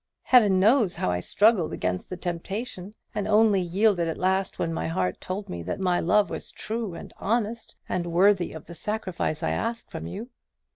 Heaven knows how I struggled against the temptation, and only yielded at last when my heart told me that my love was true and honest, and worthy of the sacrifice I ask from you.